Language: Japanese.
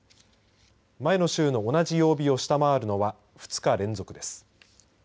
前の週の同じ曜日を下回るのは２日連続です。